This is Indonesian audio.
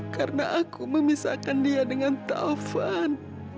karena aku memisahkan dia dengan taufan